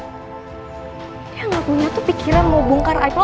dia gak punya tuh pikiran mau bongkar aib lu gak ada